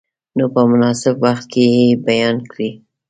نو په مناسب وخت کې یې بیان کړئ.